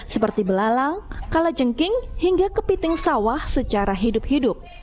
seperti belalang kalajengking hingga kepiting sawah secara hidup hidup